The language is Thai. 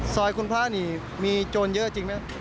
ซอยคุณพระนี่มีโจรเยอะจริงไหมครับ